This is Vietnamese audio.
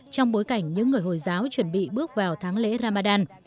trong bối cảnh những người hồi giáo chuẩn bị bước vào tháng lễ ramadan